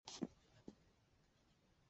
仡佬族是中国和越南的一个少数民族。